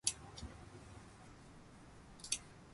証券会社が行う公社債の売買の多くは自己売買によるものとなっている。